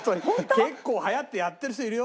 結構流行ってやってる人いるよ。